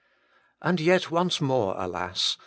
And yet once more, alas